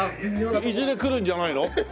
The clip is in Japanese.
いずれ来るんじゃないの？